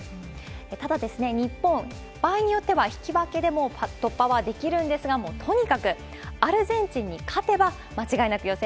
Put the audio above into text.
ただ、日本、場合によっては引き分けでも突破はできるんですが、もうとにかくアルゼンチンに勝てば、間違いなく予選